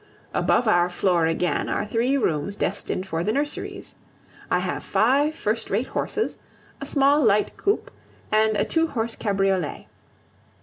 Above our floor again are three rooms destined for the nurseries. I have five first rate horses, a small light coupe, and a two horse cabriolet.